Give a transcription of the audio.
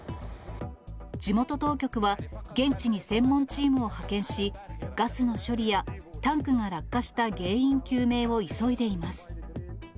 地元当局は現地に専門チームを派遣し、ガスの処理やタンクが落下した原因究明を急いでいます。